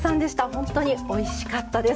本当においしかったです。